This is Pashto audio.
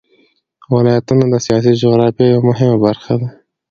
ولایتونه د سیاسي جغرافیه یوه مهمه برخه ده.